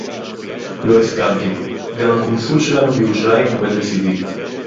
לֹא הִסְכַּמְתִּי. גַּם הַקּוֹנְסוּל שֶׁלָּנוּ בִּירוּשָׁלַיִם עוֹמֵד לְצִדִּי.